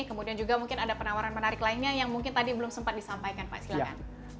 kemudian juga mungkin ada penawaran menarik lainnya yang mungkin tadi belum sempat disampaikan pak silakan